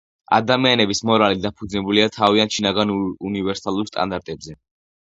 ადამიანების მორალი დაფუძნებულია თავიანთ შინაგან უნივერსალურ სტანდარტებზე.